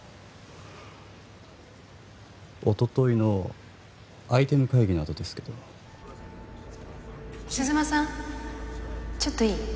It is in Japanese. おとといのアイテム会議のあとですけど鈴間さんちょっといい？